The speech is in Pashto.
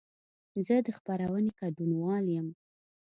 زه د خپرونې ګډونوال یم.